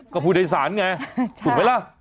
ก็ผู้โดยสารไงถูกไหมล่ะ